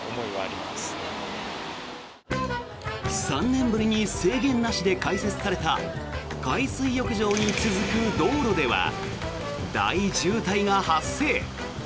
３年ぶりに制限なしで開設された海水浴場に続く道路では大渋滞が発生。